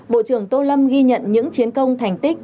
bộ trưởng tô lâm ghi nhận những chiến công thành tích